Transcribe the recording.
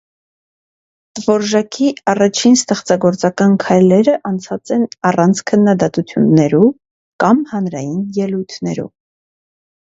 Տվորժաքի առաջին ստեղծագործական քայլերը անցած են առանց քննադատութիւններու կամ հանրային ելոյթներու։